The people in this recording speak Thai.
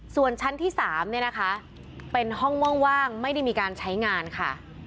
ส่วนชั้นที่๓เนี่ยนะคะเป็นห้องว่างไม่ได้มีการใช้งานค่ะ